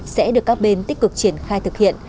sẽ được các bên tích cực triển khai thực hiện